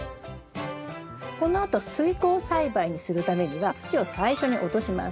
このあと水耕栽培にするためには土を最初に落とします。